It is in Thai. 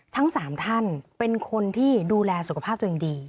ทั้ง๓ท่านเป็นคนที่ดูแลสุขภาพตัวเองดี